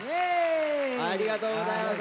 ありがとうございます。